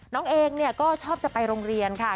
น้องเองก็ชอบจะไปโรงเรียนค่ะ